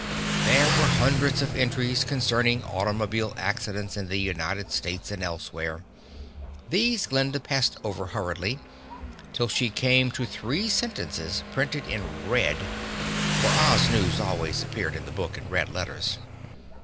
There were hundreds of entries concerning automobile accidents in the United States and elsewhere. These Glinda passed over hurriedly, till she came to three sentences printed in red, for Oz news always appeared in the book in red letters.